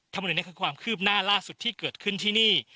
ทำหน่วยในความคืบหน้าล่าสุดที่เกิดขึ้นที่นี่